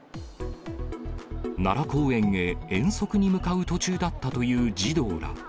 奈良公園へ遠足に向かう途中だったという児童ら。